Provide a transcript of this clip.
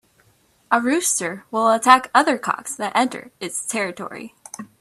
A rooster will attack other cocks that enter its territory.